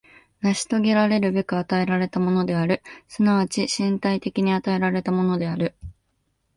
成し遂げらるべく与えられたものである、即ち身体的に与えられたものである。